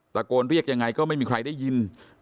ตะโกนเรียกยังไงก็ไม่มีใครได้ยิน